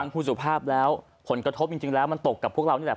คุณสุภาพแล้วผลกระทบจริงแล้วมันตกกับพวกเรานี่แหละ